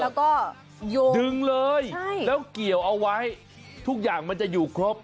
แล้วก็ดึงเลยแล้วเกี่ยวเอาไว้ทุกอย่างมันจะอยู่ครบ